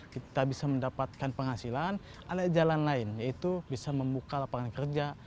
kita bisa mendapatkan penghasilan ada jalan lain yaitu bisa membuka lapangan kerja